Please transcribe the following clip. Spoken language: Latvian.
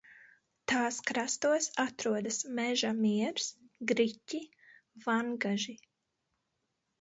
Tās krastos atrodas Meža Miers, Griķi, Vangaži.